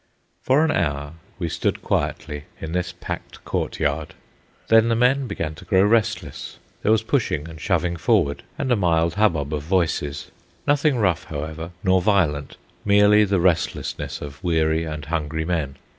For an hour we stood quietly in this packed courtyard. Then the men began to grow restless. There was pushing and shoving forward, and a mild hubbub of voices. Nothing rough, however, nor violent; merely the restlessness of weary and hungry men.